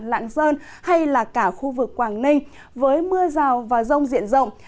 lạng sơn hay là cả khu vực quảng ninh với mưa rào và rông diện rộng